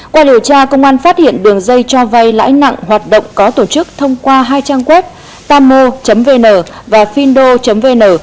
qua điều tra công an phát hiện đường dây cho vay lãi nặng hoạt động có tổ chức thông qua hai trang web tamo vn và findo vn